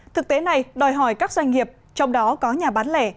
thực tế này đòi hỏi các doanh nghiệp trong đó có nhà bán lẻ